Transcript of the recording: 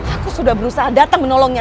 aku sudah berusaha datang menolongnya